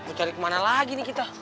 mau cari kemana lagi nih kita